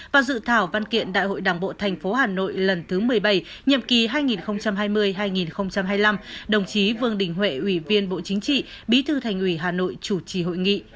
và dự thảo văn kiện đại hội đảng bộ thành phố hà nội lần thứ một mươi bảy nhiệm kỳ hai nghìn hai mươi hai nghìn hai mươi năm đồng chí vương đình huệ ủy viên bộ chính trị bí thư thành ủy hà nội chủ trì hội nghị